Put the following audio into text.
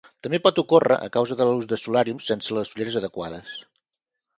També pot ocórrer a causa de l'ús de solàriums sense les ulleres adequades.